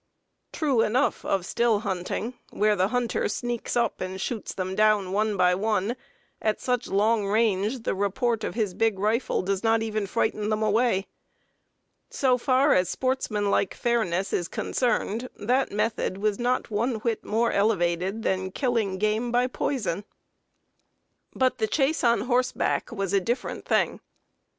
True enough of still hunting, where the hunter sneaks up and shoots them down one by one at such long range the report of his big rifle does not even frighten them away. So far as sportsmanlike fairness is concerned, that method was not one whit more elevated than killing game by poison. Bat the chase on horseback was a different thing.